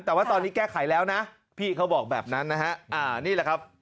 แต่ว่าตอนนี้แก้ไขแล้วนะพี่เขาบอกแบบนั้นนะฮะนี่แหละครับ